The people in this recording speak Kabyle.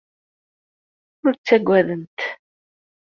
Ur ttagadent.